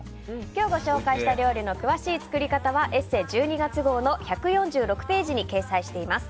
今日ご紹介したお料理の詳しい作り方は「ＥＳＳＥ」１２月号の１４６ページに掲載しています。